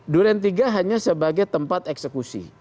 duren tiga hanya sebagai tempat eksekusi